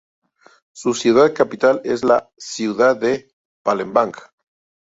Su ciudad capital es la ciudad de Palembang.